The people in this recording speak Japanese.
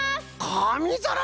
かみざらな！